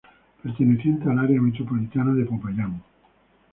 Perteneciente al área metropolitana de Popayán.